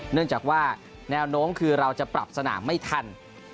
เนื่องจากว่าแนวโน้มคือเราจะปรับสนามไม่ทัน